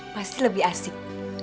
pasti lebih asik